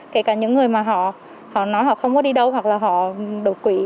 kể cả những người mà họ nói họ không có đi đâu hoặc là họ đột quỷ